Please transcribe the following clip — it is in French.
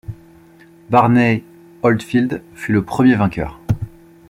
Barney Oldfield fut le premier vainqueur.